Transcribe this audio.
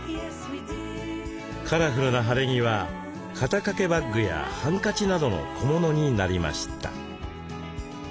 カラフルな晴れ着は肩掛けバッグやハンカチなどの小物になりました。